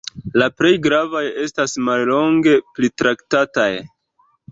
La plej gravaj estas mallonge pritraktataj.